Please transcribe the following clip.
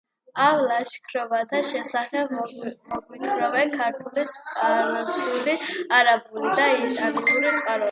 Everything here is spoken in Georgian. ამ ლაშქრობათა შესახებ მოგვითხრობენ ქართული, სპარსული, არაბული და იტალიური წყაროები.